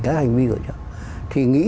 các hành vi của chúng tôi thì nghĩ